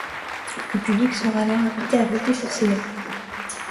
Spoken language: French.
Le public sera alors invité à voter pour ces noms.